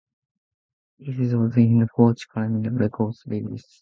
This was his fourth Columbia Records release.